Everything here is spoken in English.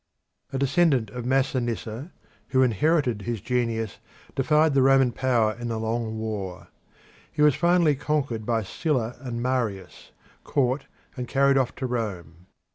A descendant of Masinissa, who inherited his genius, defied the Roman power in a long war. He was finally conquered by Sylla and Marius, caught, and carried off to Rome.